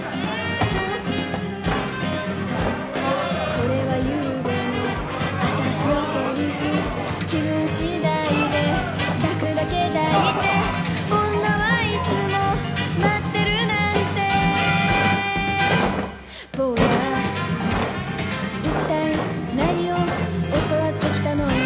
「これは昨夜の私のセリフ気分次第で抱くだけ抱いて」「女はいつも待ってるなんて」「坊や、いったい何を教わって来たの」